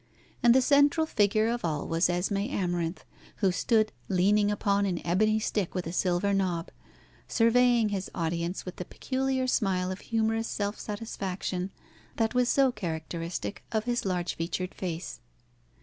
And the central figure of all was Esmé Amarinth, who stood leaning upon an ebony stick with a silver knob, surveying his audience with the peculiar smile of humourous self satisfaction that was so characteristic of his large featured face.